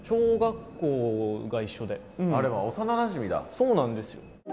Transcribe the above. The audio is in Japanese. そうなんですよ。